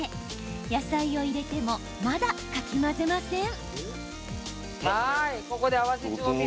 野菜を入れてもまだ、かき混ぜません。